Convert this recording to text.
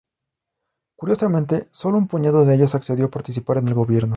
Curiosamente, sólo un puñado de ellos accedió a participar en el Gobierno.